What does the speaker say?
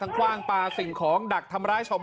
นั่นแหละครับ